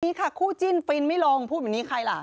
นี่ค่ะคู่จิ้นฟินไม่รองพูดเหมือนนี้ใครล่ะ